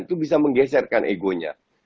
itu bisa menggeserkan egonya